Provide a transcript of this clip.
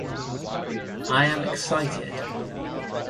I am excited.